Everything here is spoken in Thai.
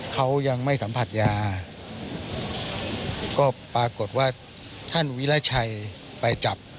เขายังไม่สัมผัสยาก็ปรากฏว่าท่านวิราชัยไปจับ